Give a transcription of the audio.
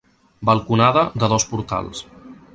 Balconada de dos portals.